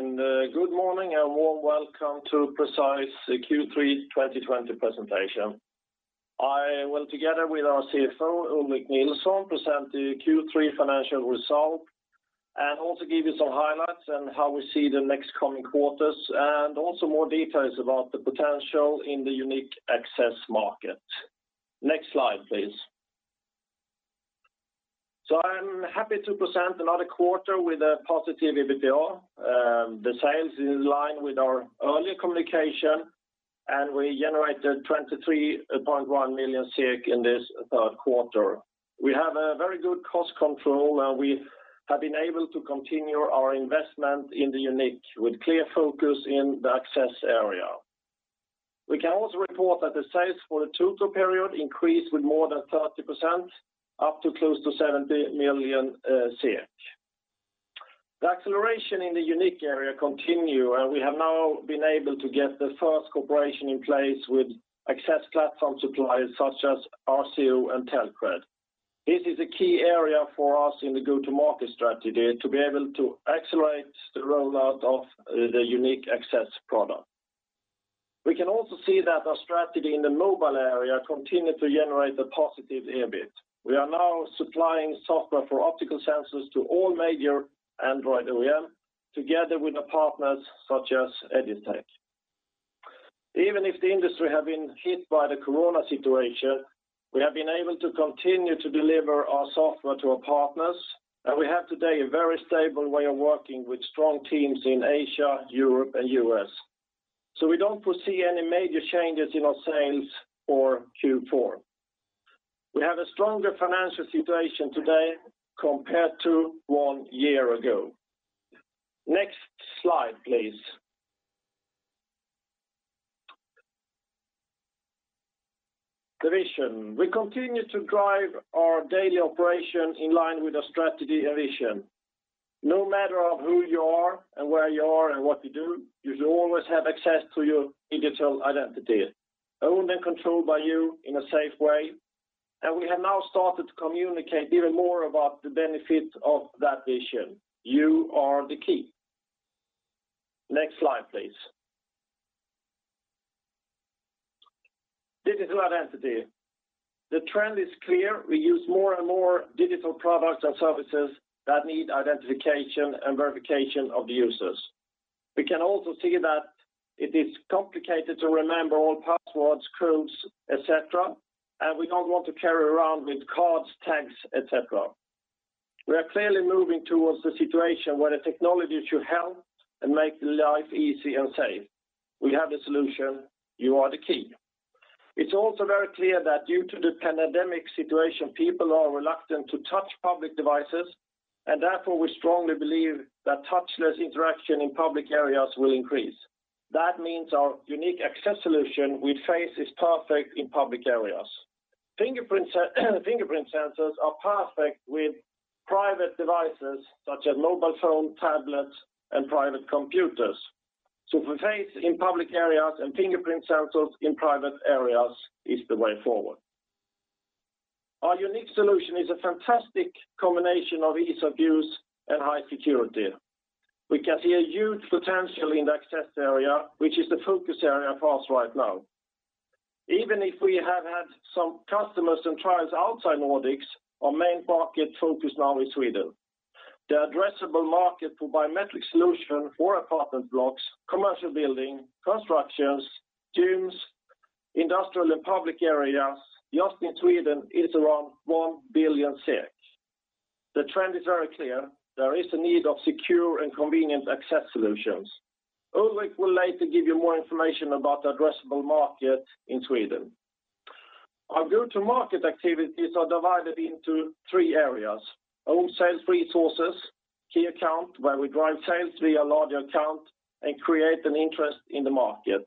Good morning, and a warm welcome to Precise Q3 2020 presentation. I will, together with our CFO, Ulrik Nilsson, present the Q3 financial result and also give you some highlights on how we see the next coming quarters, and also more details about the potential in the YOUNiQ Access market. Next slide, please. I'm happy to present another quarter with a positive EBITDA. The sales is in line with our earlier communication, and we generated 23.1 million SEK in this third quarter. We have a very good cost control, and we have been able to continue our investment in the YOUNiQ, with clear focus in the access area. We can also report that the sales for the total period increased with more than 30%, up to close to 70 million. The acceleration in the YOUNiQ area continue, we have now been able to get the first cooperation in place with access platform suppliers such as RCO and Telcred. This is a key area for us in the go-to-market strategy, to be able to accelerate the rollout of the YOUNiQ Access product. We can also see that our strategy in the mobile area continued to generate a positive EBIT. We are now supplying software for optical sensors to all major Android OEM, together with partners such as EgisTech. Even if the industry have been hit by the coronavirus situation, we have been able to continue to deliver our software to our partners, and we have today a very stable way of working with strong teams in Asia, Europe, and U.S. We don't foresee any major changes in our sales for Q4. We have a stronger financial situation today compared to one year ago. Next slide, please. The vision. We continue to drive our daily operation in line with our strategy and vision. No matter who you are and where you are and what you do, you should always have access to your digital identity, owned and controlled by you in a safe way. We have now started to communicate even more about the benefit of that vision. You are the key. Next slide, please. Digital identity. The trend is clear. We use more and more digital products and services that need identification and verification of the users. We can also see that it is complicated to remember all passwords, codes, et cetera, and we don't want to carry around with cards, tags, et cetera. We are clearly moving towards the situation where the technology should help and make life easy and safe. We have the solution. You are the key. It's also very clear that due to the pandemic situation, people are reluctant to touch public devices, and therefore, we strongly believe that touchless interaction in public areas will increase. That means our YOUNiQ Access solution with face is perfect in public areas. Fingerprint sensors are perfect with private devices such as mobile phone, tablets, and private computers. For face in public areas and fingerprint sensors in private areas is the way forward. Our YOUNiQ solution is a fantastic combination of ease of use and high security. We can see a huge potential in the access area, which is the focus area for us right now. Even if we have had some customers and trials outside Nordics, our main market focus now is Sweden. The addressable market for biometric solution for apartment blocks, commercial building, constructions, gyms, industrial and public areas just in Sweden is around 1 billion. The trend is very clear. There is a need of secure and convenient access solutions. Ulrik will later give you more information about the addressable market in Sweden. Our go-to-market activities are divided into three areas: own sales resources, key account, where we drive sales via larger account and create an interest in the market,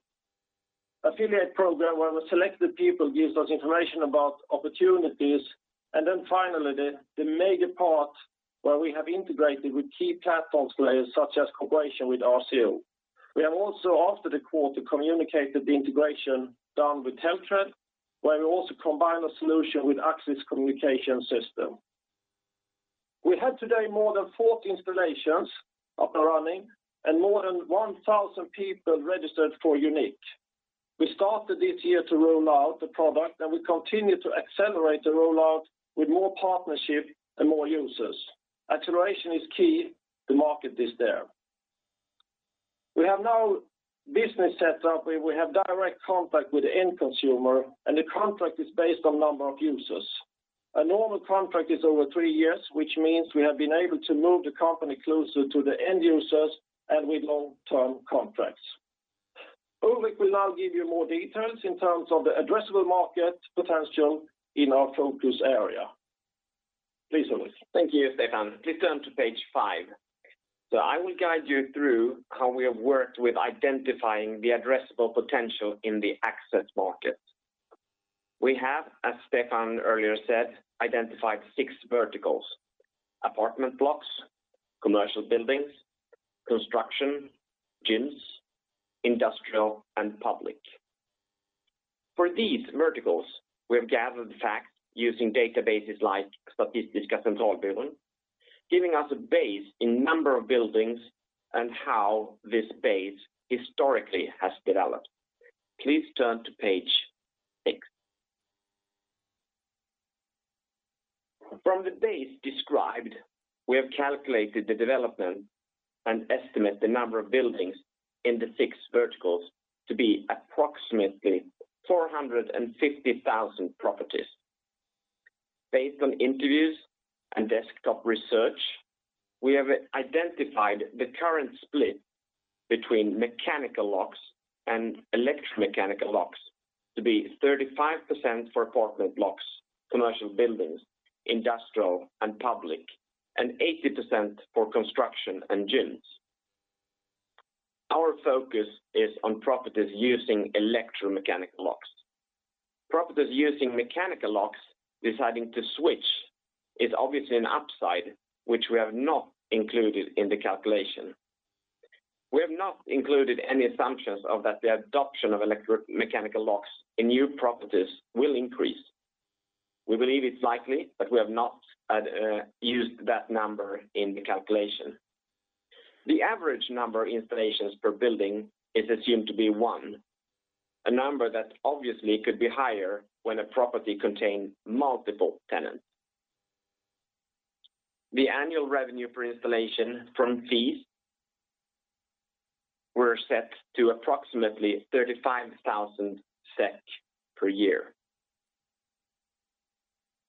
affiliate program, where selected people give us information about opportunities. Finally, the major part where we have integrated with key platform players such as cooperation with RCO Security. We have also, after the call, to communicate the integration done with Telcred, where we also combine a solution with Axis Communications system. We have today more than 40 installations up and running and more than 1,000 people registered for YOUNiQ. We started this year to roll out the product, and we continue to accelerate the rollout with more partnership and more users. Acceleration is key. The market is there. We have now business set up where we have direct contact with the end consumer, and the contract is based on number of users. A normal contract is over three years, which means we have been able to move the company closer to the end users and with long-term contracts. Ulrik will now give you more details in terms of the addressable market potential in our focus area. Please, Ulrik. Thank you, Stefan. Please turn to page five. I will guide you through how we have worked with identifying the addressable potential in the access market. We have, as Stefan earlier said, identified six verticals: apartment blocks, commercial buildings, construction, gyms, industrial, and public. For these verticals, we have gathered the facts using databases like Statistiska Centralbyrån, giving us a base in number of buildings and how this base historically has developed. Please turn to page six. From the base described, we have calculated the development and estimate the number of buildings in the six verticals to be approximately 450,000 properties. Based on interviews and desktop research, we have identified the current split between mechanical locks and electromechanical locks to be 35% for apartment blocks, commercial buildings, industrial and public, and 80% for construction and gyms. Our focus is on properties using electromechanical locks. Properties using mechanical locks deciding to switch is obviously an upside, which we have not included in the calculation. We have not included any assumptions of that the adoption of electromechanical locks in new properties will increase. We believe it's likely, but we have not used that number in the calculation. The average number of installations per building is assumed to be one, a number that obviously could be higher when a property contains multiple tenants. The annual revenue per installation from fees were set to approximately 35,000 SEK per year.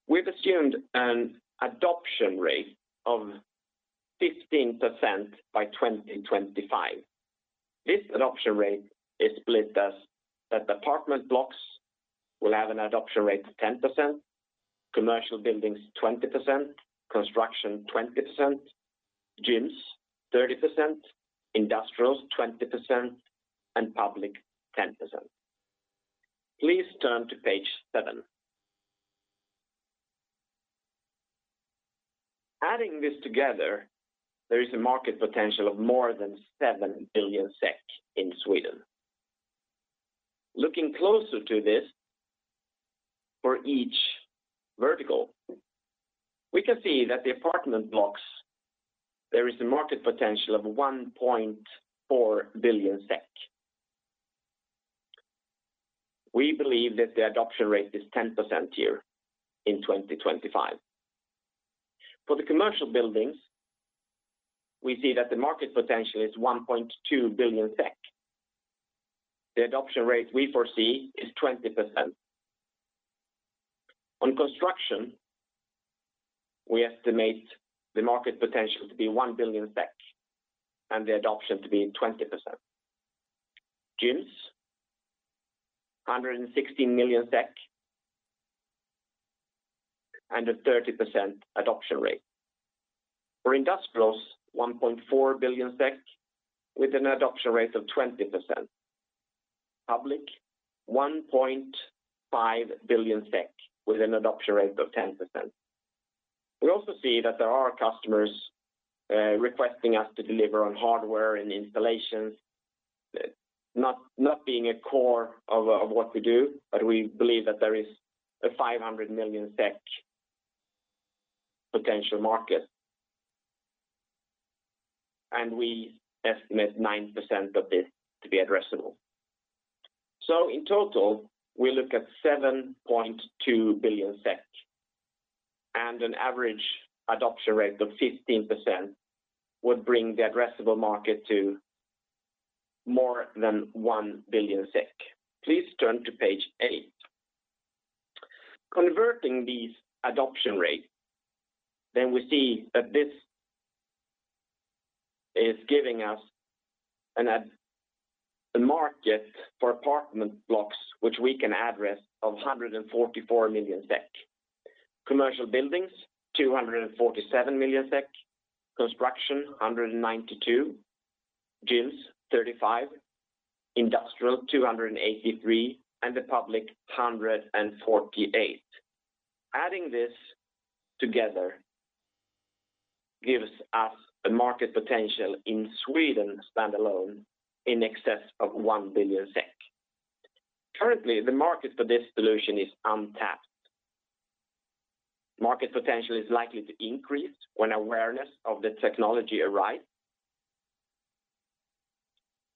We've assumed an adoption rate of 15% by 2025. This adoption rate is split as that the apartment blocks will have an adoption rate of 10%, commercial buildings 20%, construction 20%, gyms 30%, industrials 20%, and public 10%. Please turn to page seven. Adding this together, there is a market potential of more than 7 billion SEK in Sweden. Looking closer to this for each vertical, we can see that the apartment blocks, there is a market potential of 1.4 billion SEK. We believe that the adoption rate is 10% here in 2025. For the commercial buildings, we see that the market potential is 1.2 billion SEK. The adoption rate we foresee is 20%. On construction, we estimate the market potential to be 1 billion SEK, and the adoption to be 20%. Gyms, 116 million SEK, and a 30% adoption rate. For industrials, 1.4 billion SEK with an adoption rate of 20%. Public, 1.5 billion SEK with an adoption rate of 10%. We also see that there are customers requesting us to deliver on hardware and installations, not being a core of what we do, but we believe that there is a 500 million SEK potential market, and we estimate 9% of this to be addressable. In total, we look at 7.2 billion SEK, and an average adoption rate of 15% would bring the addressable market to more than 1 billion SEK. Please turn to page eight. Converting these adoption rate, then we see that this is giving us a market for apartment blocks, which we can address of 144 million SEK. Commercial buildings, 247 million SEK. Construction, 192. Gyms, 35. Industrial, 283, and the public, 148. Adding this together gives us a market potential in Sweden standalone in excess of 1 billion SEK. Currently, the market for this solution is untapped. Market potential is likely to increase when awareness of the technology arrives.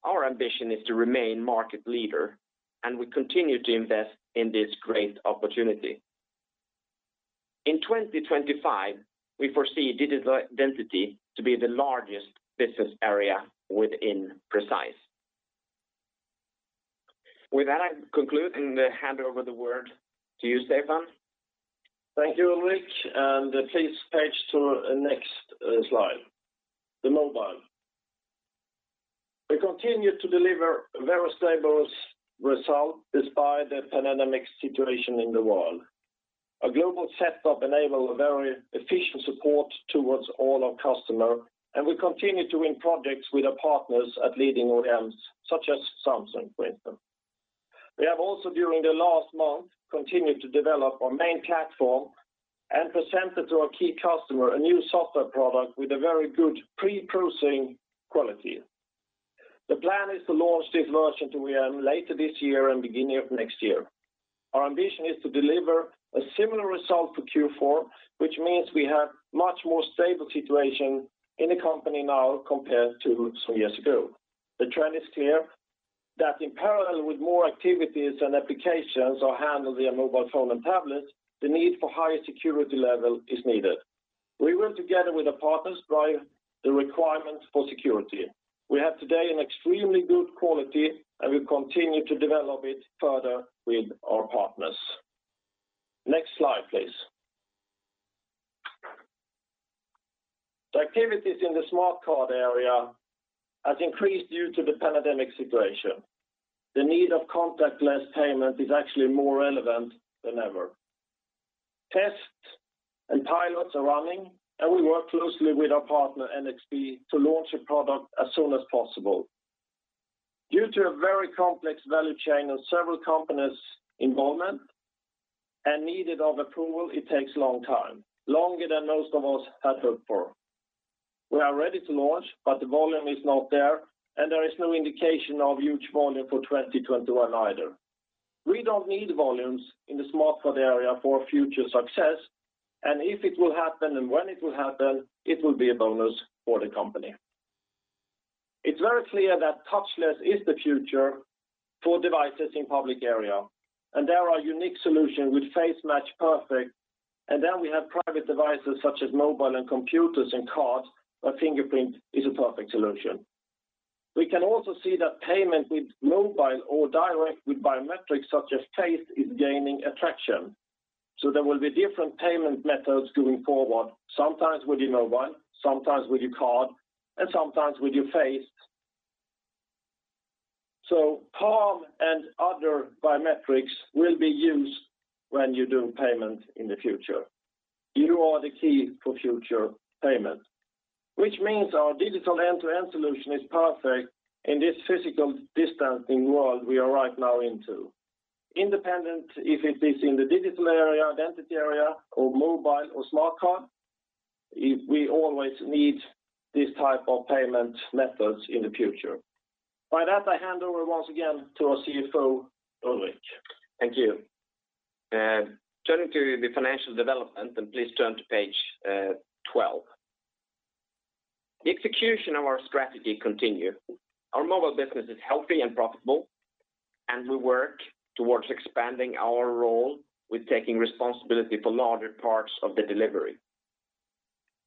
Our ambition is to remain market leader, and we continue to invest in this great opportunity. In 2025, we foresee digital identity to be the largest business area within Precise. With that, I conclude and hand over the word to you, Stefan. Thank you, Ulrik. Please page to next slide. The mobile. We continue to deliver very stable results despite the pandemic situation in the world. A global setup enable a very efficient support towards all our customer, and we continue to win projects with our partners at leading OEMs such as Samsung, for instance. We have also, during the last month, continued to develop our main platform and presented to our key customer a new software product with a very good pre-processing quality. The plan is to launch this version to OEM later this year and beginning of next year. Our ambition is to deliver a similar result for Q4, which means we have much more stable situation in the company now compared to some years ago. The trend is clear that in parallel with more activities and applications are handled via mobile phone and tablet, the need for higher security level is needed. We will, together with the partners, drive the requirements for security. We have today an extremely good quality, and we continue to develop it further with our partners. Next slide, please. The activities in the smart card area has increased due to the pandemic situation. The need of contactless payment is actually more relevant than ever. Tests and pilots are running, and we work closely with our partner NXP to launch a product as soon as possible. Due to a very complex value chain and several companies' involvement and need for approval, it takes a long time, longer than most of us had hoped for. We are ready to launch, but the volume is not there, and there is no indication of huge volume for 2021 either. We don't need volumes in the smart card area for future success, and if it will happen and when it will happen, it will be a bonus for the company. It's very clear that touchless is the future for devices in public area, and there are YOUNiQ solution with face match perfect, and then we have private devices such as mobile and computers and cards where fingerprint is a perfect solution. There will be different payment methods going forward, sometimes with your mobile, sometimes with your card, and sometimes with your face. Palm and other biometrics will be used when you do payment in the future. You are the key for future payment. Our digital end-to-end solution is perfect in this physical distancing world we are right now into. Independent if it is in the digital area, identity area or mobile or smart card, we always need these type of payment methods in the future. By that, I hand over once again to our CFO, Ulrik. Thank you. Turning to the financial development, please turn to page 12. The execution of our strategy continue. Our mobile business is healthy and profitable, we work towards expanding our role with taking responsibility for larger parts of the delivery.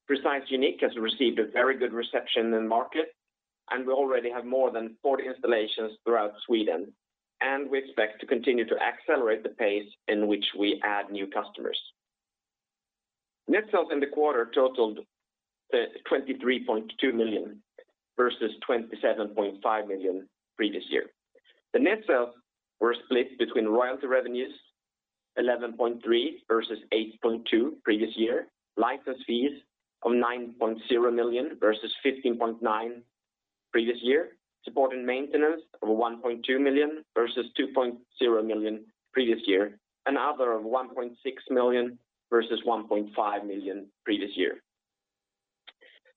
Precise YOUNiQ has received a very good reception in the market, we already have more than 40 installations throughout Sweden, we expect to continue to accelerate the pace in which we add new customers. Net sales in the quarter totaled 23.2 million versus 27.5 million previous year. The net sales were split between royalty revenues, 11.3 versus 8.2 previous year. License fees of 9.0 million versus 15.9 previous year. Support and maintenance of 1.2 million versus 2.0 million previous year. Other of 1.6 million versus 1.5 million previous year.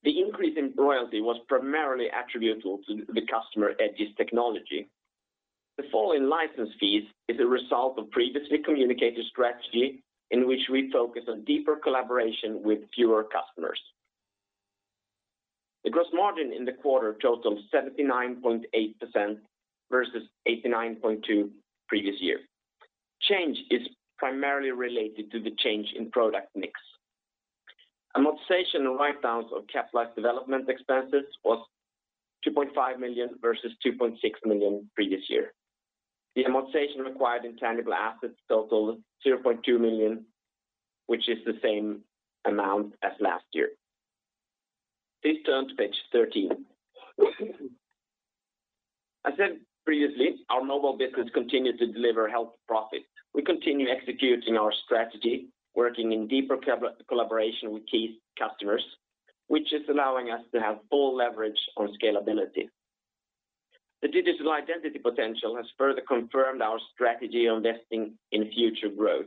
The increase in royalty was primarily attributable to the customer Egis Technology. The fall in license fees is a result of previously communicated strategy in which we focus on deeper collaboration with fewer customers. The gross margin in the quarter totaled 79.8% versus 89.2% previous year. Change is primarily related to the change in product mix. Amortization and write-downs of capitalized development expenses was 2.5 million versus 2.6 million previous year. The amortization required in tangible assets totaled 0.2 million, which is the same amount as last year. Please turn to page 13. As said previously, our mobile business continued to deliver healthy profit. We continue executing our strategy, working in deeper collaboration with key customers, which is allowing us to have full leverage on scalability. The digital identity potential has further confirmed our strategy on investing in future growth.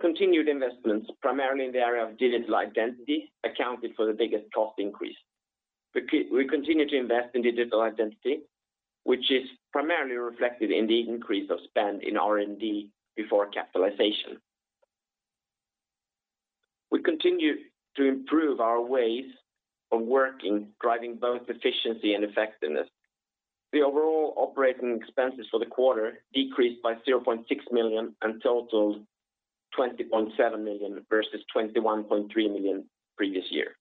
Continued investments, primarily in the area of digital identity, accounted for the biggest cost increase. We continue to invest in digital identity, which is primarily reflected in the increase of spend in R&D before capitalization. We continue to improve our ways of working, driving both efficiency and effectiveness. The overall operating expenses for the quarter decreased by 0.6 million and totaled 20.7 million versus 21.3 million previous year.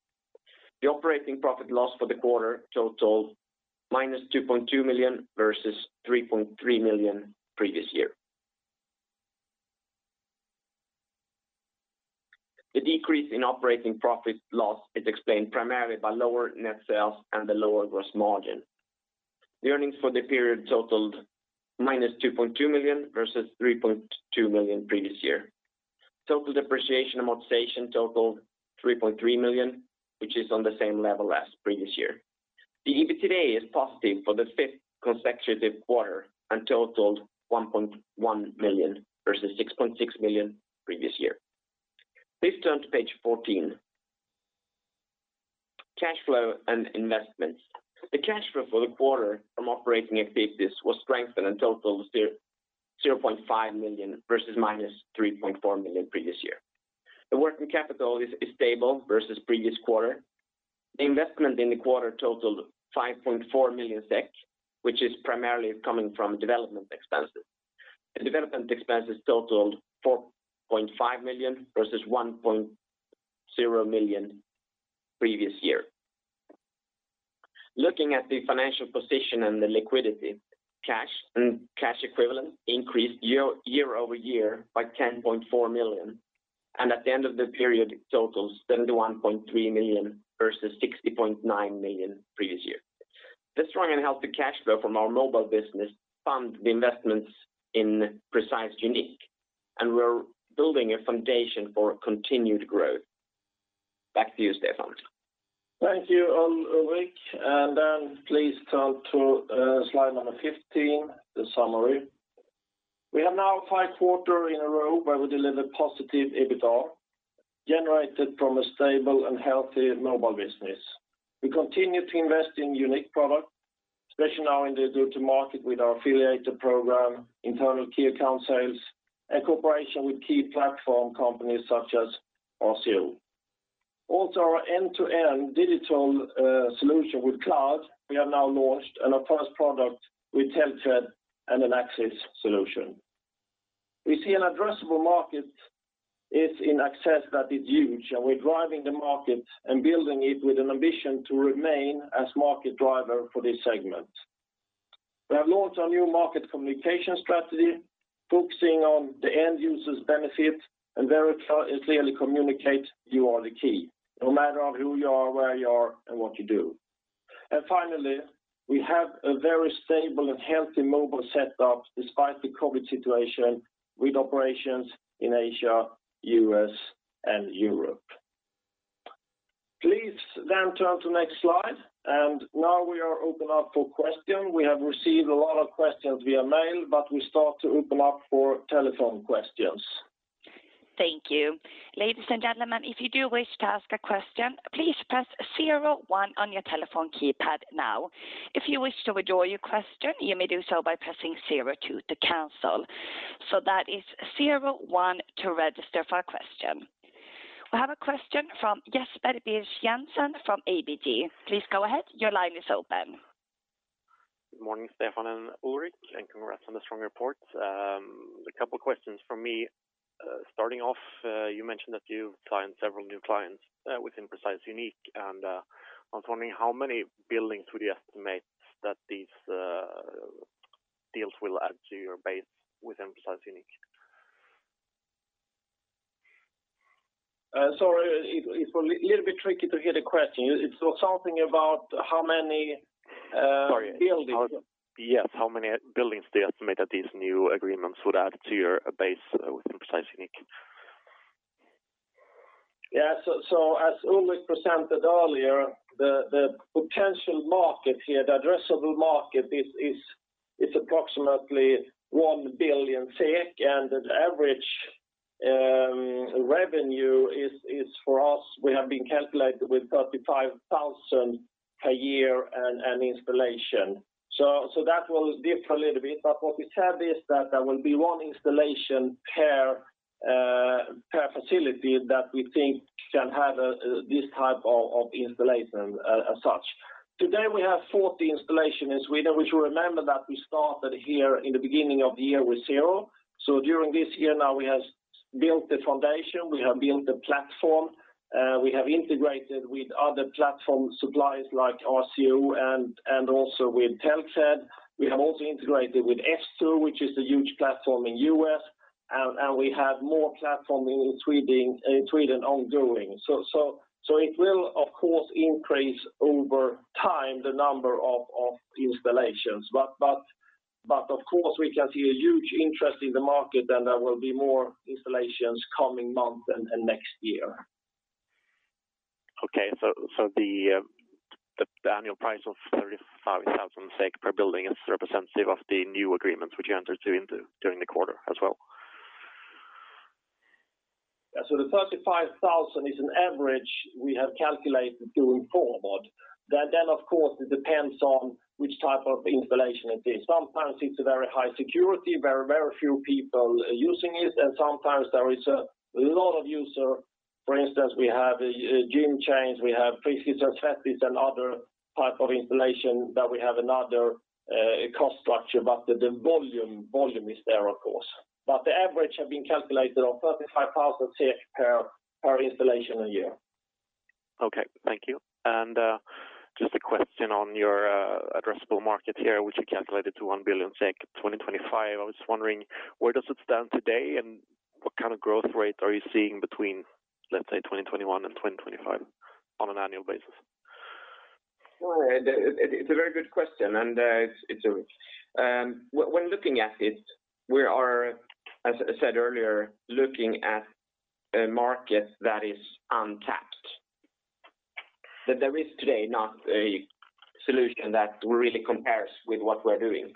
The operating profit loss for the quarter totaled minus 2.2 million versus 3.3 million previous year. The decrease in operating profit loss is explained primarily by lower net sales and the lower gross margin. The earnings for the period totaled minus 2.2 million versus 3.2 million previous year. Total depreciation amortization totaled 3.3 million, which is on the same level as previous year. The EBITDA is positive for the fifth consecutive quarter and totaled 1.1 million versus 6.6 million previous year. Please turn to page 14. Cash flow and investments. The cash flow for the quarter from operating activities was strengthened and totaled 0.5 million versus minus 3.4 million previous year. The working capital is stable versus previous quarter. The investment in the quarter totaled 5.4 million SEK, which is primarily coming from development expenses. The development expenses totaled 4.5 million versus 1.0 million previous year. Looking at the financial position and the liquidity, cash and cash equivalent increased year-over-year by 10.4 million, and at the end of the period it totals 71.3 million versus 60.9 million previous year. The strong and healthy cash flow from our mobile business fund the investments in Precise YOUNiQ, and we're building a foundation for continued growth. Back to you, Stefan. Thank you, Ulrik. Please turn to slide number 15, the summary. We are now five quarter in a row where we deliver positive EBITDA, generated from a stable and healthy mobile business. We continue to invest in unique product, especially now in the go-to-market with our affiliated program, internal key account sales, and cooperation with key platform companies such as RCO. Our end-to-end digital solution with cloud, we have now launched and our first product with Telcred and an access solution. We see an addressable market is in access that is huge, we're driving the market and building it with an ambition to remain as market driver for this segment. We have launched our new market communication strategy, focusing on the end user's benefit. Very clearly communicate you are the key, no matter of who you are, where you are, and what you do. Finally, we have a very stable and healthy mobile setup despite the COVID situation with operations in Asia, U.S., and Europe. Please then turn to next slide. Now we are open up for question. We have received a lot of questions via mail. We start to open up for telephone questions. Thank you. Ladies and gentlemen, if you do wish to ask a question, please press zero one on your telephone keypad now. If you wish to withdraw your question, you may do so by pressing zero two to cancel. That is zero one to register for a question. We have a question from Jesper Birch-Jensen from ABG. Please go ahead. Your line is open. Good morning, Stefan and Ulrik, congrats on the strong report. A couple of questions from me. Starting off, you mentioned that you've signed several new clients within Precise YOUNiQ. I was wondering how many buildings would you estimate that these deals will add to your base within Precise YOUNiQ? Sorry, it was a little bit tricky to hear the question. Sorry. buildings? Yes, how many buildings do you estimate that these new agreements would add to your base within Precise YOUNiQ? Yeah. As Ulrik presented earlier, the potential market here, the addressable market is approximately 1 billion SEK, and the average revenue is for us, we have been calculated with 35,000 per year and installation. That will differ a little bit, but what we said is that there will be one installation per facility that we think can have this type of installation as such. Today, we have 40 installations in Sweden. We should remember that we started here in the beginning of the year with zero. During this year now, we have built the foundation, we have built the platform, we have integrated with other platform suppliers like RCO and also with Telcred. We have also integrated with S2 Security, which is a huge platform in the U.S., and we have more platform in Sweden ongoing. It will of course increase over time the number of installations. Of course, we can see a huge interest in the market, and there will be more installations coming month and next year. Okay. The annual price of 35,000 per building is representative of the new agreements which you entered into during the quarter as well? Yeah. The 35,000 is an average we have calculated going forward. Of course it depends on which type of installation it is. Sometimes it's a very high security, very few people using it, and sometimes there is a lot of user. For instance, we have gym chains, we have offices and factories and other type of installation that we have another cost structure, but the volume is there, of course. The average have been calculated on 35,000 per installation a year. Okay. Thank you. Just a question on your addressable market here, which you calculated to 1 billion SEK in 2025. I was just wondering where does it stand today, and what kind of growth rate are you seeing between, let's say, 2021 and 2025 on an annual basis? It's a very good question. When looking at it, we are, as I said earlier, looking at. A market that is untapped. That there is today not a solution that really compares with what we're doing.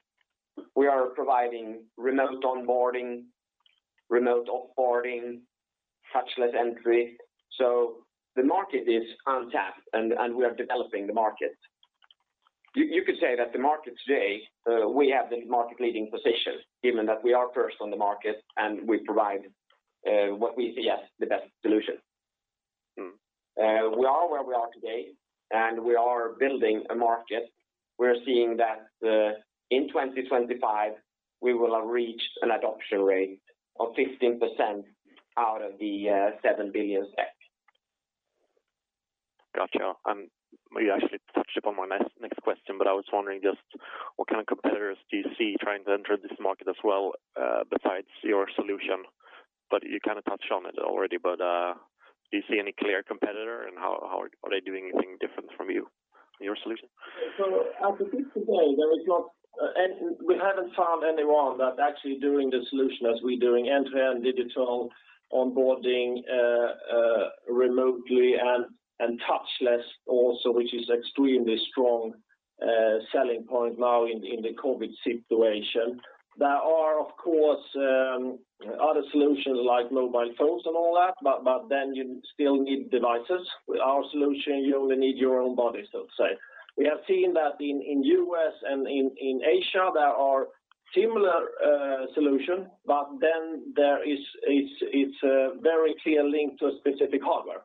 We are providing remote onboarding, remote off-boarding, touchless entry. The market is untapped and we are developing the market. You could say that the market today, we have the market-leading position, given that we are first on the market and we provide what we see as the best solution. We are where we are today, and we are building a market. We're seeing that in 2025, we will have reached an adoption rate of 15% out of the 7 billion tech. Got you. You actually touched upon my next question, but I was wondering just what kind of competitors do you see trying to enter this market as well, besides your solution? You kind of touched on it already. Do you see any clear competitor and how are they doing anything different from you, your solution? As of today, we haven't found anyone that actually doing the solution as we doing. End-to-end digital onboarding remotely and touchless also, which is extremely strong selling point now in the COVID situation. There are, of course, other solutions like mobile phones and all that, you still need devices. With our solution, you only need your own body, so to say. We have seen that in U.S. and in Asia, there are similar solution, it's a very clear link to a specific hardware.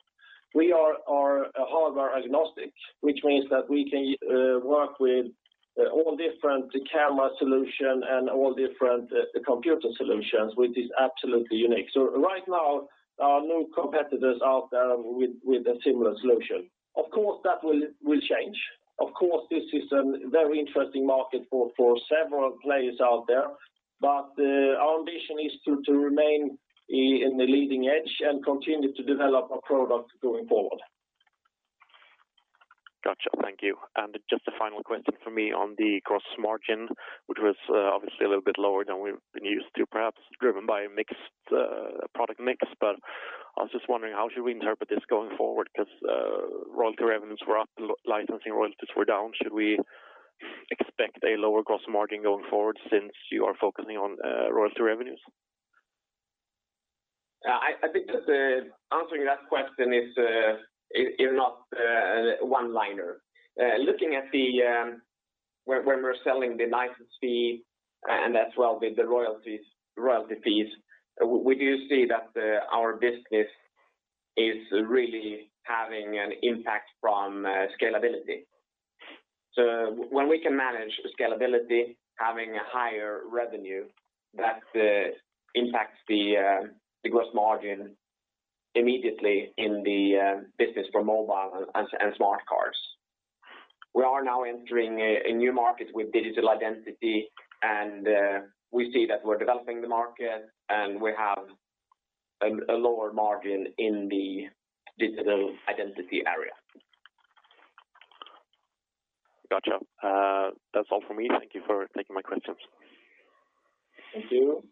We are hardware-agnostic, which means that we can work with all different camera solution and all different computer solutions, which is absolutely unique. Right now, there are no competitors out there with a similar solution. Of course, that will change. Of course, this is a very interesting market for several players out there. Our ambition is to remain in the leading edge and continue to develop our product going forward. Got you. Thank you. Just a final question from me on the gross margin, which was obviously a little bit lower than we've been used to, perhaps driven by product mix. I was just wondering how should we interpret this going forward? Royalty revenues were up, licensing royalties were down. Should we expect a lower gross margin going forward since you are focusing on royalty revenues? I think that answering that question is not a one-liner. Looking at when we're selling the license fee and as well with the royalty fees, we do see that our business is really having an impact from scalability. When we can manage scalability, having a higher revenue, that impacts the gross margin immediately in the business for mobile and smart cards. We are now entering a new market with digital identity, and we see that we're developing the market, and we have a lower margin in the digital identity area. Got you. That's all from me. Thank you for taking my questions. Thank you.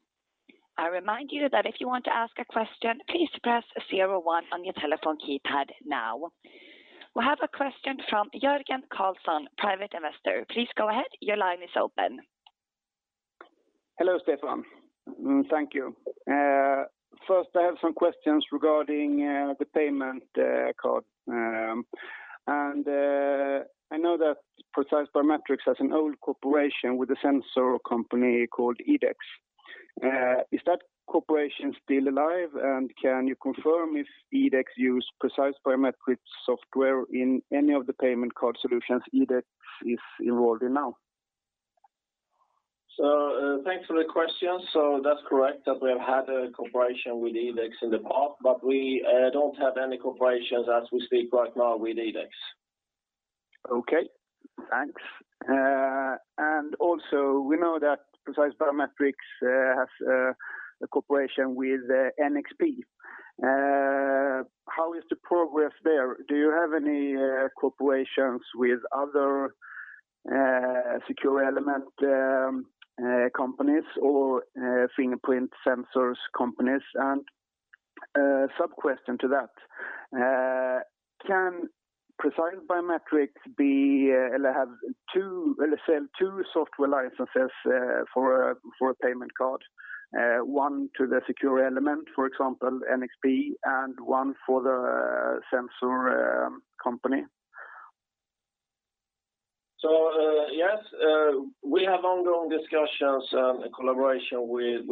I remind you that if you want to ask a question, please press zero one on your telephone keypad now. We have a question from Jörgen Carlsson, private investor. Please go ahead. Your line is open. Hello, Stefan. Thank you. First I have some questions regarding the payment card. I know that Precise Biometrics has an old cooperation with a sensor company called IDEX. Is that cooperation still alive? Can you confirm if IDEX use Precise Biometrics software in any of the payment card solutions IDEX is involved in now? Thanks for the question. That's correct, that we have had a cooperation with IDEX in the past, but we don't have any cooperations as we speak right now with IDEX. Okay, thanks. Also, we know that Precise Biometrics has a cooperation with NXP. How is the progress there? Do you have any cooperations with other secure element companies or fingerprint sensors companies? Sub-question to that, can Precise Biometrics sell two software licenses for a payment card, one to the secure element, for example, NXP, and one for the sensor company? Yes, we have ongoing discussions and collaboration with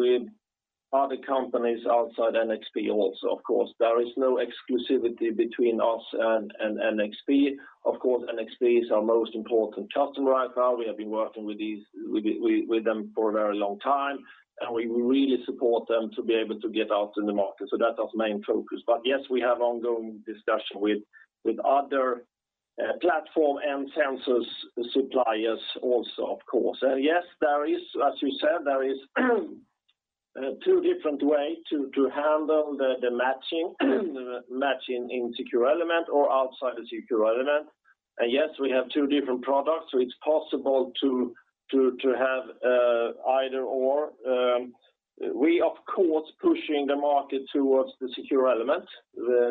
other companies outside NXP also, of course. There is no exclusivity between us and NXP. NXP is our most important customer right now. We have been working with them for a very long time, and we really support them to be able to get out in the market. That's our main focus. Yes, we have ongoing discussion with other platform and sensors suppliers also, of course. Yes, as you said, there is two different way to handle the matching in secure element or outside the secure element. Yes, we have two different products, so it's possible to have either/or. We, of course, are pushing the market towards the secure element,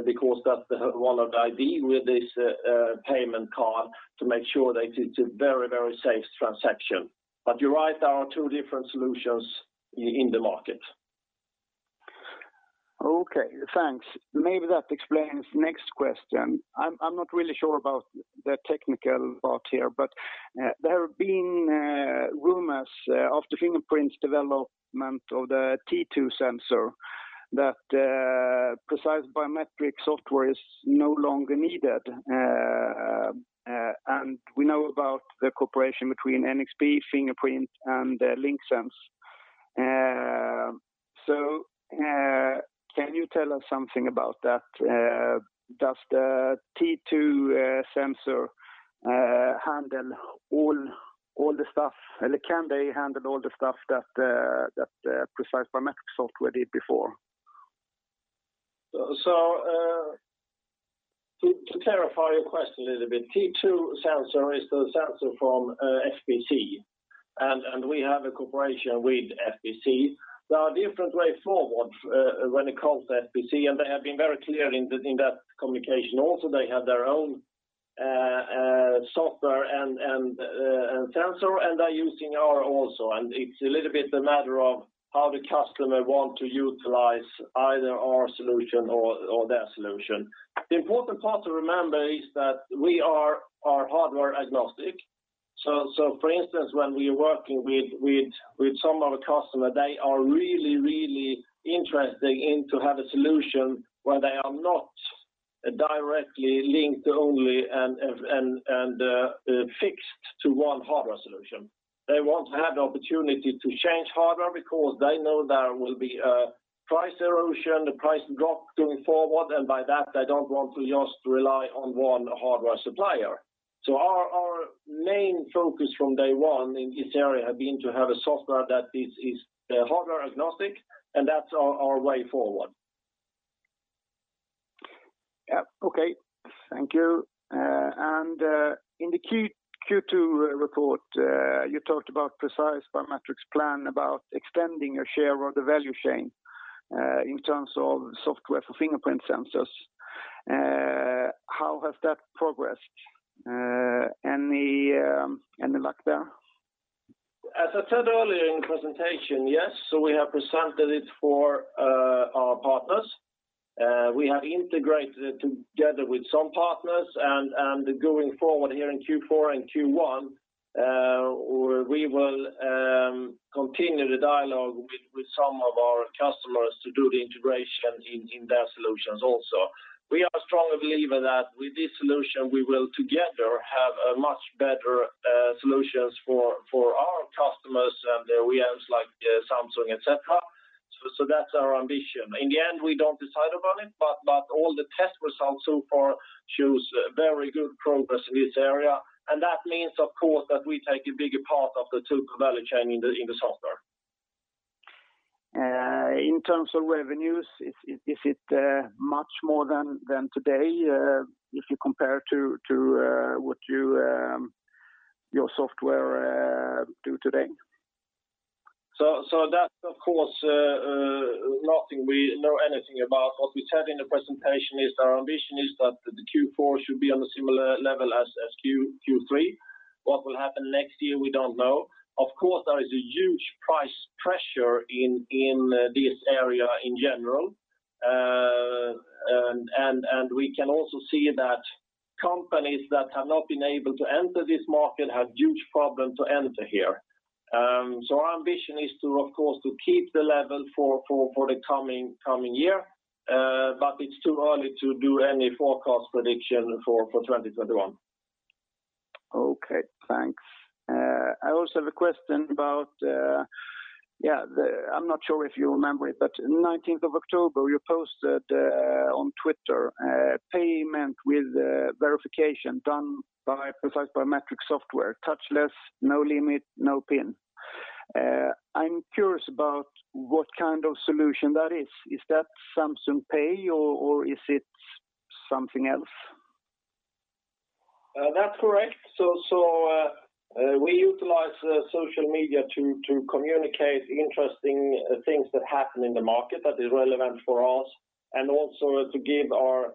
because that's the wallet ID with this payment card to make sure that it's a very safe transaction. You're right, there are two different solutions in the market. Okay, thanks. Maybe that explains the next question. I am not really sure about the technical part here, but there have been rumors of the fingerprint development of the T2 sensor that Precise Biometrics software is no longer needed. We know about the cooperation between NXP, Fingerprint, and Linxens. Can you tell us something about that? Does the T2 sensor handle all the stuff, and can they handle all the stuff that Precise Biometrics software did before? To clarify your question a little bit, T2 sensor is the sensor from FPC, and we have a cooperation with FPC. There are different ways forward when it comes to FPC, and they have been very clear in that communication. They have their own software and sensor, and are using ours also. It's a little bit a matter of how the customer wants to utilize either our solution or their solution. The important part to remember is that we are hardware-agnostic. For instance, when we are working with some of our customers, they are really interested to have a solution where they are not directly linked only and fixed to one hardware solution. They want to have the opportunity to change hardware because they know there will be a price erosion, the price drop going forward. By that, they don't want to just rely on one hardware supplier. Our main focus from day one in this area had been to have a software that is hardware-agnostic, and that's our way forward. Yeah. Okay, thank you. In the Q2 report, you talked about Precise Biometrics' plan about extending your share of the value chain, in terms of software for fingerprint sensors. How has that progressed? Any luck there? As I said earlier in the presentation, yes, we have presented it for our partners. We have integrated together with some partners, and going forward here in Q4 and Q1, we will continue the dialogue with some of our customers to do the integration in their solutions also. We are a strong believer that with this solution, we will together have much better solutions for our customers and their OEMs like Samsung, et cetera. That's our ambition. In the end, we don't decide about it, but all the test results so far show very good progress in this area. That means, of course, that we take a bigger part of the total value chain in the software. In terms of revenues, is it much more than today, if you compare to what your software do today? That, of course, nothing we know anything about. What we said in the presentation is our ambition is that the Q4 should be on a similar level as Q3. What will happen next year, we don't know. Of course, there is a huge price pressure in this area in general. We can also see that companies that have not been able to enter this market have huge problems to enter here. Our ambition is to, of course, to keep the level for the coming year. It's too early to do any forecast prediction for 2021. Okay, thanks. I also have a question about, I'm not sure if you remember it, but 19th of October, you posted on Twitter, payment with verification done by Precise Biometrics software. Touchless, no limit, no pin. I'm curious about what kind of solution that is? Is that Samsung Pay or is it something else? That's correct. We utilize social media to communicate interesting things that happen in the market that is relevant for us, and also to give our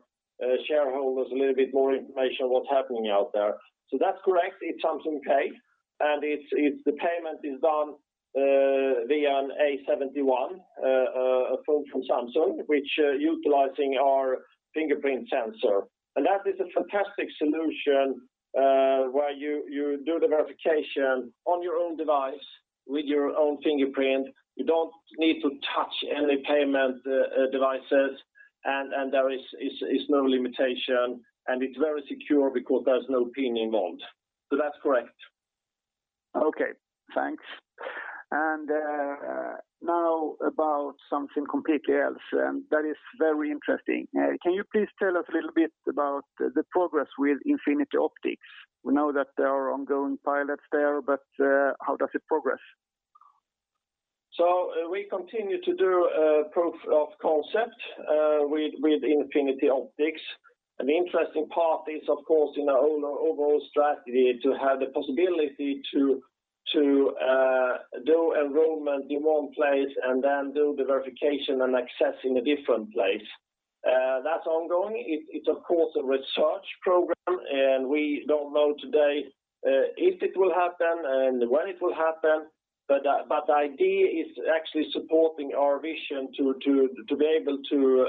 shareholders a little bit more information what's happening out there. That's correct. It's Samsung Pay, and the payment is done via an A71, a phone from Samsung, which utilizing our fingerprint sensor. That is a fantastic solution, where you do the verification on your own device with your own fingerprint. You don't need to touch any payment devices, and there is no limitation. It's very secure because there's no pin involved. That's correct. Okay, thanks. Now about something completely else, and that is very interesting. Can you please tell us a little bit about the progress with Infinity Optics? We know that there are ongoing pilots there, but how does it progress? We continue to do proof of concept with Infinity Optics. The interesting part is, of course, in our overall strategy to have the possibility to do enrollment in one place and then do the verification and access in a different place. That's ongoing. It's, of course, a research program, and we don't know today if it will happen and when it will happen, but the idea is actually supporting our vision to be able to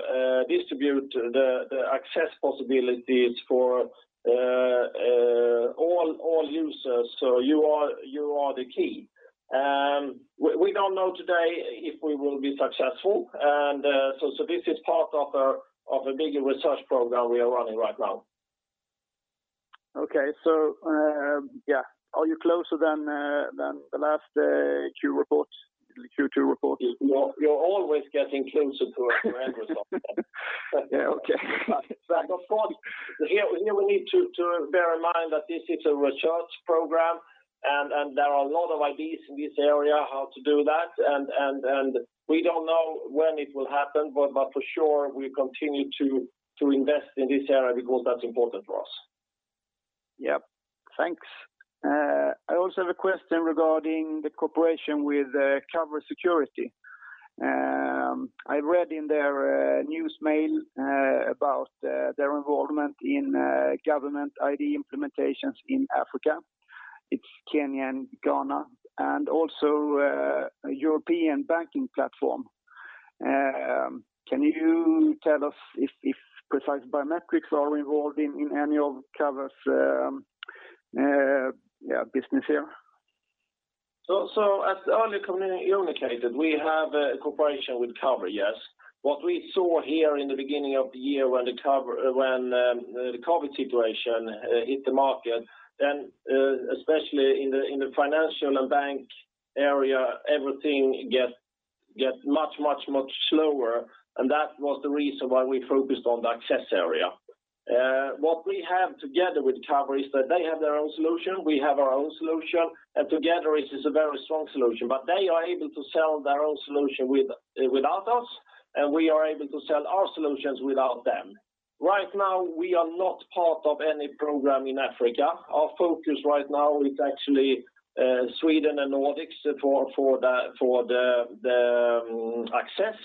distribute the access possibilities for all users. You are the key. We don't know today if we will be successful. This is part of a bigger research program we are running right now. Okay. Are you closer than the last Q2 report? You're always getting closer to it for every software. Okay, got it. Of course, here we need to bear in mind that this is a research program, and there are a lot of ideas in this area how to do that. We don't know when it will happen, but for sure, we continue to invest in this area because that's important for us. Yep. Thanks. I also have a question regarding the cooperation with Covr Security. I read in their news mail about their involvement in government ID implementations in Africa, it's Kenya and Ghana, and also a European banking platform. Can you tell us if Precise Biometrics are involved in any of Covr's business here? As earlier communicated, we have a cooperation with Covr, yes. What we saw here in the beginning of the year when the COVID situation hit the market, then especially in the financial and bank area, everything get much slower, and that was the reason why we focused on the access area. What we have together with Covr is that they have their own solution, we have our own solution, and together it is a very strong solution. They are able to sell their own solution without us, and we are able to sell our solutions without them. Right now, we are not part of any program in Africa. Our focus right now is actually Sweden and Nordics for the access.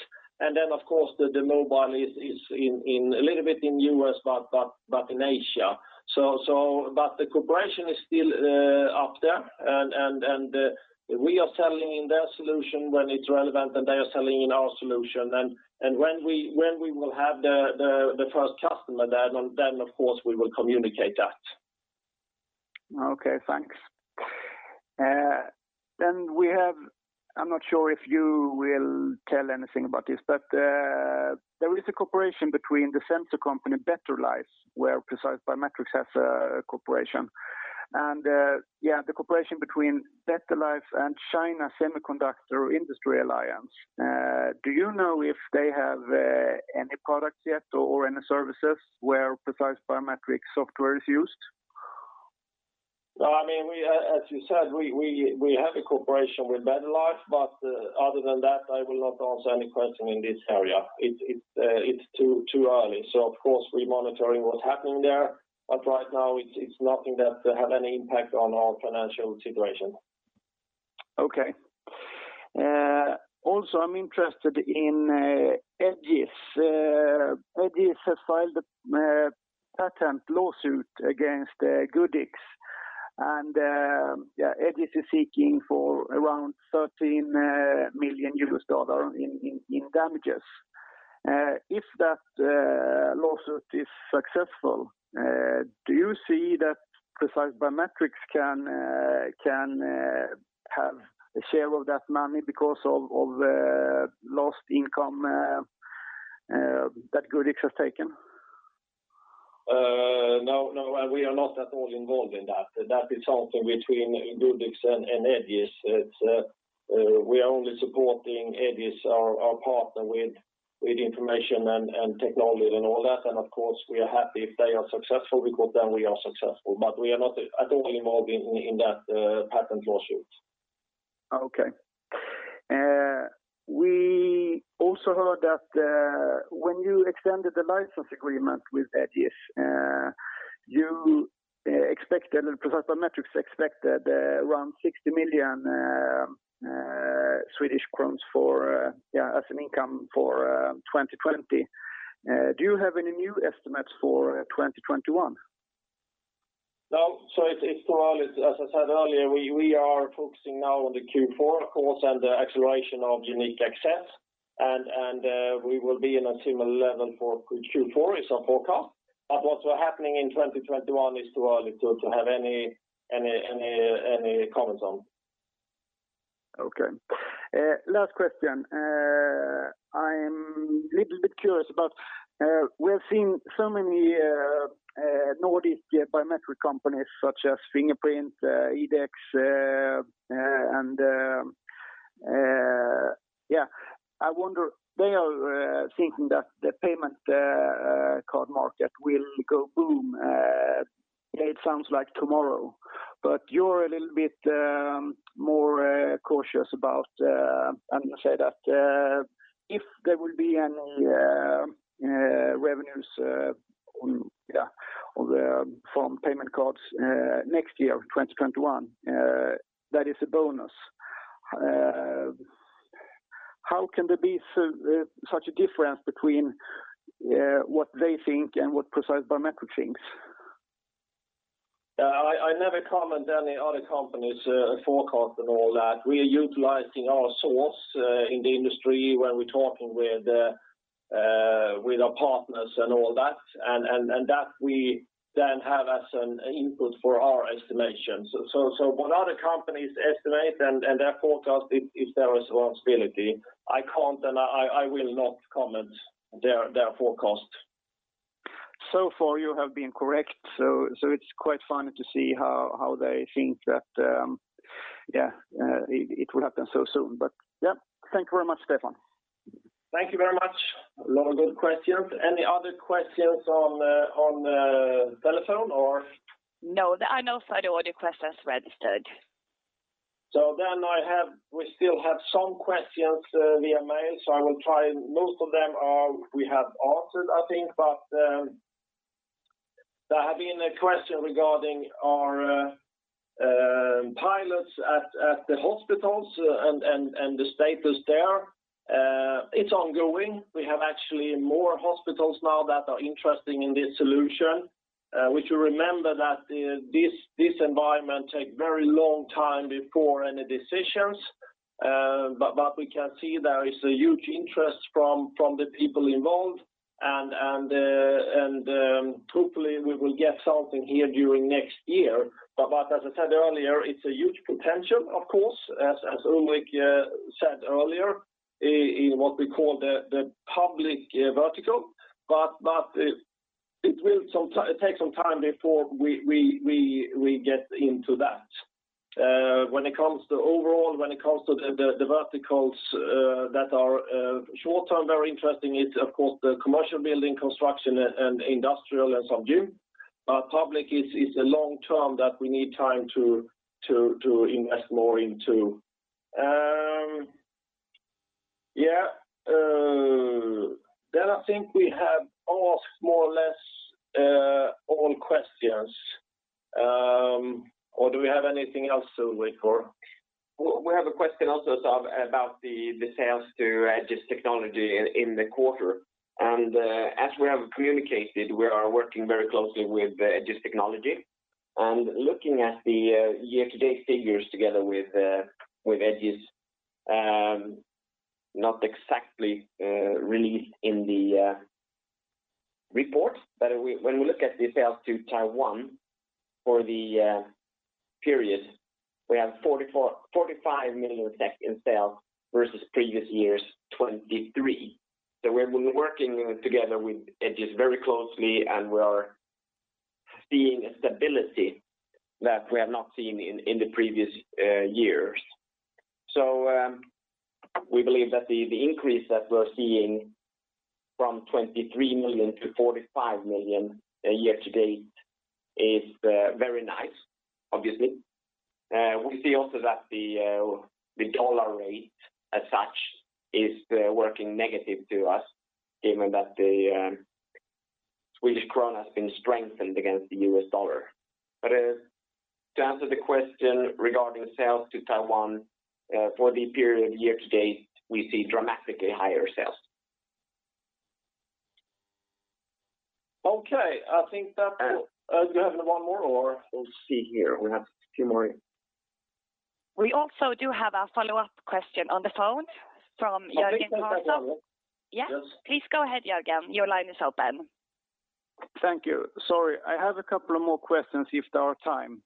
Then, of course, the mobile is a little bit in U.S., but in Asia. The cooperation is still up there, and we are selling in their solution when it's relevant, and they are selling in our solution. When we will have the first customer there, then, of course, we will communicate that. Okay, thanks. We have, I'm not sure if you will tell anything about this, but there is a cooperation between the sensor company Betterlife, where Precise Biometrics has a cooperation, and the cooperation between Betterlife and China Semiconductor Industry Association. Do you know if they have any products yet or any services where Precise Biometrics software is used? As you said, we have a cooperation with Betterlife, other than that, I will not answer any question in this area. It's too early. Of course, we're monitoring what's happening there, but right now it's nothing that have any impact on our financial situation. Okay. I'm interested in Egis. Egis has filed a patent lawsuit against Goodix, and Egis is seeking for around $13 million in damages. If that lawsuit is successful, do you see that Precise Biometrics can have a share of that money because of lost income that Goodix has taken? No, we are not at all involved in that. That is something between Goodix and Egis. We are only supporting Egis, our partner, with information and technology and all that. Of course, we are happy if they are successful because then we are successful. We are not at all involved in that patent lawsuit. Okay. We also heard that when you extended the license agreement with Egis, Precise Biometrics expected around SEK 60 million as an income for 2020. Do you have any new estimates for 2021? It's too early. As I said earlier, we are focusing now on the Q4, of course, and the acceleration of YOUNiQ Access. We will be in a similar level for Q4 is our forecast. What's happening in 2021 is too early to have any comments on. Okay. Last question. I'm little bit curious about, we have seen so many Nordic biometric companies, such as Fingerprint, IDEX. I wonder, they are thinking that the payment card market will go boom. It sounds like tomorrow. You're a little bit more cautious about, I'm going to say that if there will be any revenues from payment cards next year, 2021, that is a bonus. How can there be such a difference between what they think and what Precise Biometrics thinks? I never comment any other company's forecast and all that. We are utilizing our source in the industry when we're talking with our partners and all that, and that we then have as an input for our estimations. What other companies estimate and their forecast is their responsibility. I can't, and I will not comment their forecast. Far, you have been correct. It's quite funny to see how they think that it will happen so soon. Yeah. Thank you very much, Stefan. Thank you very much. A lot of good questions. Any other questions on the telephone? No, there are no further audio questions registered. We still have some questions via mail, so I will try. Most of them we have answered, I think, but there have been a question regarding our pilots at the hospitals and the status there. It's ongoing. We have actually more hospitals now that are interested in this solution. We should remember that this environment take very long time before any decisions. We can see there is a huge interest from the people involved and hopefully we will get something here during next year. As I said earlier, it's a huge potential, of course, as Ulrik said earlier, in what we call the public vertical. It will take some time before we get into that. When it comes to overall, when it comes to the verticals that are short-term, very interesting is, of course, the commercial building construction and industrial and some gym. Public is a long term that we need time to invest more into. Yeah. I think we have asked more or less all questions. Do we have anything else, Ulrik? We have a question also about the sales to Egis Technology in the quarter. As we have communicated, we are working very closely with Egis Technology. Looking at the year-to-date figures together with Egis is not exactly released in the report. When we look at the sales to Taiwan for the period, we have 45 million in sales versus previous year's 23 million. We are working together with Egis very closely, and we are seeing a stability that we have not seen in the previous years. We believe that the increase that we are seeing from 23 million-45 million year-to-date is very nice, obviously. We see also that the dollar rate as such is working negative to us, given that the Swedish krona has been strengthened against the U.S. dollar. To answer the question regarding sales to Taiwan for the period year to date, we see dramatically higher sales. Okay. Do you have one more? We'll see here. We have a few more. We also do have a follow-up question on the phone from Jörgen Carlsson. Okay. Yeah. Yes. Please go ahead, Jörgen. Your line is open. Thank you. Sorry, I have a couple of more questions if there are time.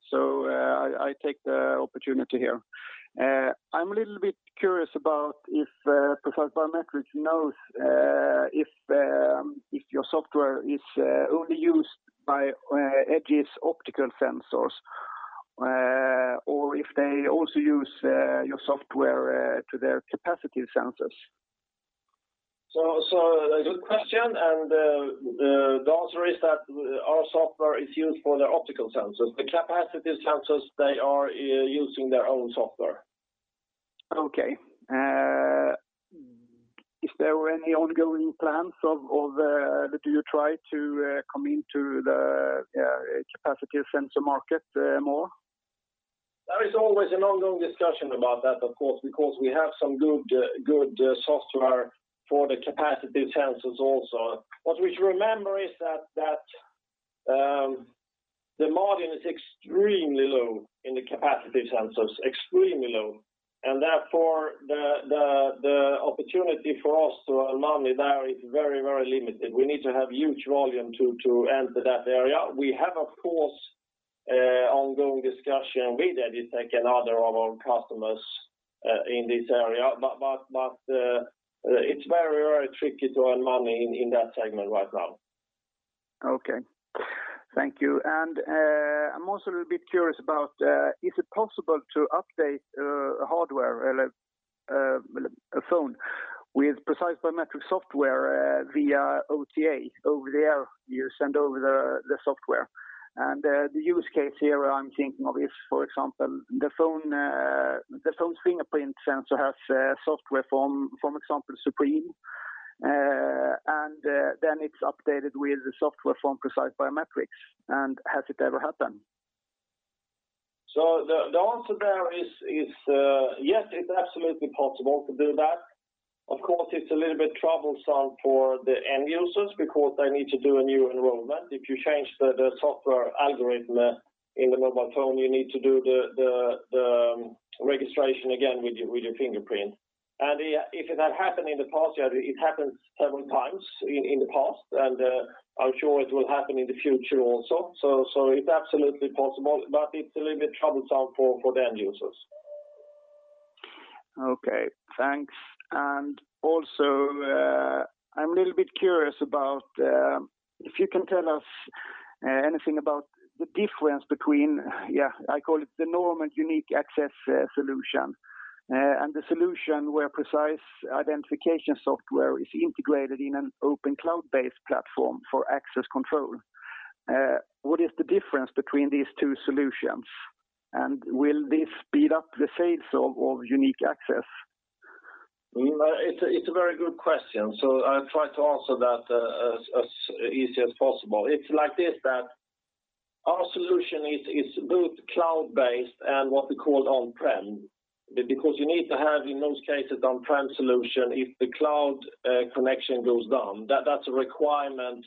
I take the opportunity here. I am a little bit curious about if Precise Biometrics knows if your software is only used by Egis' optical sensors or if they also use your software to their capacitive sensors. A good question, and the answer is that our software is used for the optical sensors. The capacitive sensors, they are using their own software. Okay. Is there any ongoing plans, do you try to come into the capacitive sensor market more? There is always an ongoing discussion about that, of course, because we have some good software for the capacitive sensors also. What we should remember is that the margin is extremely low in the capacitive sensors, extremely low, and therefore the opportunity for us to earn money there is very limited. We need to have huge volume to enter that area. We have, of course, ongoing discussion with Egis Technology and other of our customers in this area. It's very tricky to earn money in that segment right now. Okay. Thank you. I'm also a little bit curious about, is it possible to update hardware, a phone with Precise Biometrics software via OTA, over the air, you send over the software. The use case here I'm thinking of is, for example, the phone fingerprint sensor has software from example, Suprema, and then it's updated with the software from Precise Biometrics. Has it ever happened? The answer there is yes, it's absolutely possible to do that. Of course, it's a little bit troublesome for the end users because they need to do a new enrollment. If you change the software algorithm in the mobile phone, you need to do the registration again with your fingerprint. If it had happened in the past, yeah, it happened several times in the past, and I'm sure it will happen in the future also. It's absolutely possible, but it's a little bit troublesome for the end users. Okay, thanks. Also, I'm a little bit curious about if you can tell us anything about the difference between, yeah, I call it the norm and YOUNiQ Access solution, and the solution where Precise identification software is integrated in an open cloud-based platform for access control. What is the difference between these two solutions, and will this speed up the sales of YOUNiQ Access? It's a very good question. I'll try to answer that as easy as possible. It's like this, that our solution is both cloud-based and what we call on-prem, because you need to have, in most cases, on-prem solution, if the cloud connection goes down. That's a requirement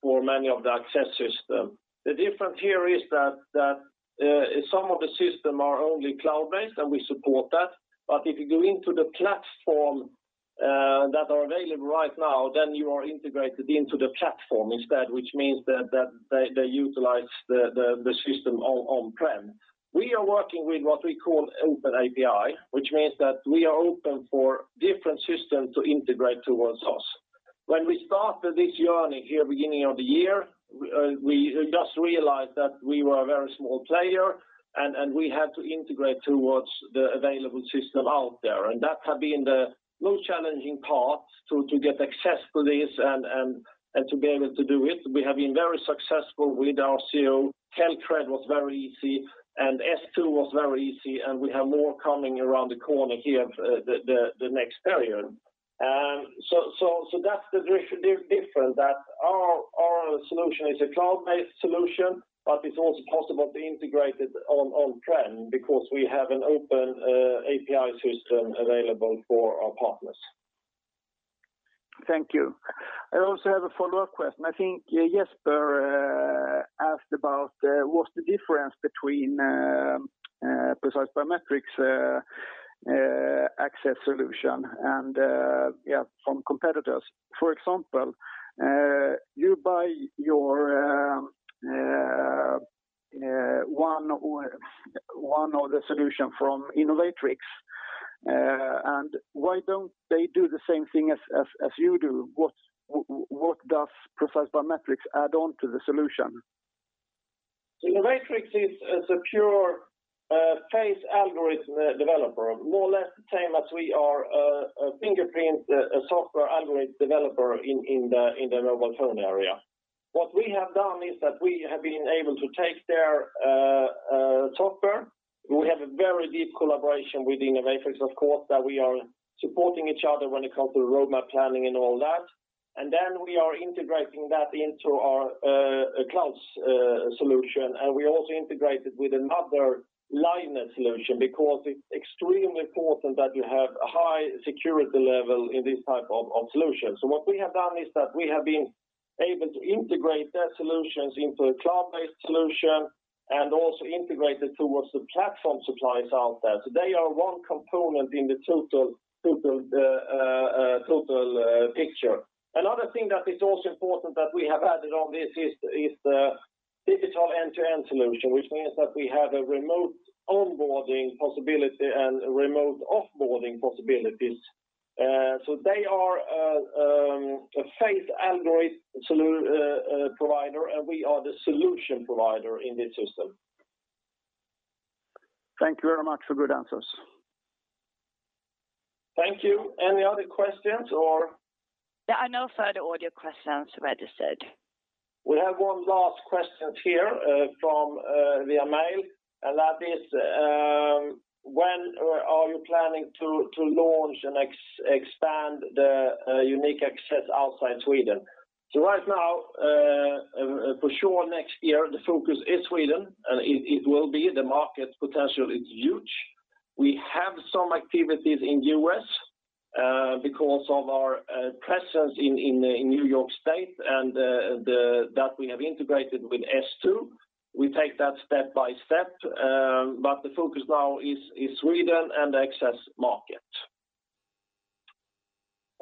for many of the access system. The difference here is that some of the system are only cloud-based, and we support that. If you go into the platform that are available right now, then you are integrated into the platform instead, which means that they utilize the system on-prem. We are working with what we call open API, which means that we are open for different systems to integrate towards us. When we started this journey here beginning of the year, we just realized that we were a very small player, and we had to integrate towards the available system out there. That had been the most challenging part to get access to this and to be able to do it. We have been very successful with our CEO. Telcred was very easy, and S2 was very easy, and we have more coming around the corner here the next period. That's the difference, that our solution is a cloud-based solution, but it's also possible to integrate it on-prem because we have an open API system available for our partners. Thank you. I also have a follow-up question. I think Jesper asked about what's the difference between Precise Biometrics access solution and from competitors. For example, you buy one of the solution from Innovatrics, why don't they do the same thing as you do? What does Precise Biometrics add on to the solution? Innovatrics is a pure face algorithm developer, more or less the same as we are a fingerprint software algorithm developer in the mobile phone area. What we have done is that we have been able to take their software. We have a very deep collaboration with Innovatrics, of course, that we are supporting each other when it comes to roadmap planning and all that. We are integrating that into our cloud solution, and we also integrate it with another liveness solution because it's extremely important that you have a high security level in this type of solution. What we have done is that we have been able to integrate their solutions into a cloud-based solution and also integrate it towards the platform suppliers out there. They are one component in the total picture. Another thing that is also important that we have added on this is the digital end-to-end solution, which means that we have a remote onboarding possibility and remote offboarding possibilities. They are a face algorithm provider, and we are the solution provider in this system. Thank you very much for good answers. Thank you. Any other questions or? There are no further audio questions registered. We have one last question here via mail, and that is when are you planning to launch and expand the YOUNiQ Access outside Sweden? Right now, for sure next year, the focus is Sweden, and it will be. The market potential is huge. We have some activities in U.S. because of our presence in New York State, and that we have integrated with S2. We take that step by step, the focus now is Sweden and the access market.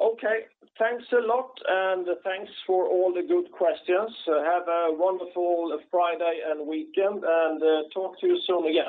Okay. Thanks a lot, and thanks for all the good questions. Have a wonderful Friday and weekend, and talk to you soon again.